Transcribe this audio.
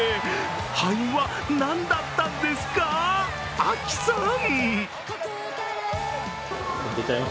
敗因は何だったんですか、Ａｋｉさん？